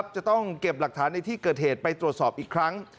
จะต้องเก็บหลักฐานในที่เกิดเหตุไปตรวจสอบอีกครั้ง